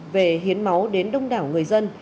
về hiến máu đến đông đảo người dân